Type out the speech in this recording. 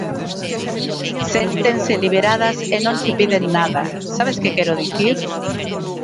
Séntense liberadas e non che piden nada, sabes que quero dicir?